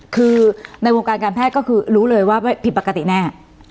คือในวงการการแพทย์ก็คือรู้เลยว่าผิดปกติแน่